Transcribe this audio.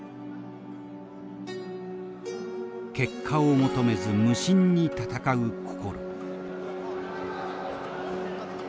結果を求めず無心に戦う心。